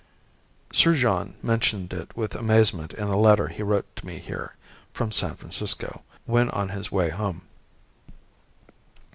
Sir John mentioned it with amazement in a letter he wrote to me here, from San Francisco, when on his way home.